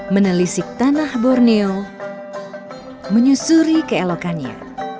menelisik tanah borneo menyusuri keelokannya